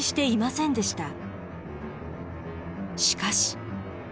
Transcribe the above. しかし。